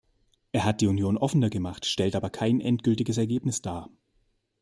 Er hat die Union offener gemacht, stellt aber kein endgültiges Ergebnis dar.